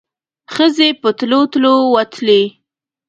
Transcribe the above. ښځې په تلو تلو وتلې.